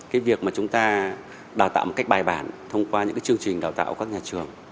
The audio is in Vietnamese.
cái việc mà chúng ta đào tạo một cách bài bản thông qua những cái chương trình đào tạo của các nhà trường